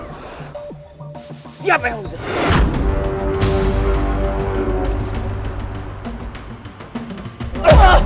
siap eh uzzah